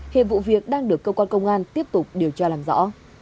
hiện vụ việc đang được công an tiếp tục điều tra làm rõ